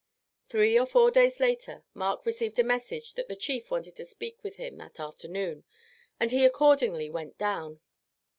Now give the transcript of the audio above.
Three or four days later Mark received a message that the chief wanted to speak with him that afternoon, and he accordingly went down.